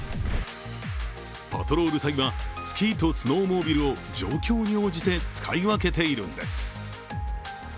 パトロール隊は、スキートスノーモービルを状況に応じて使い分けているんです。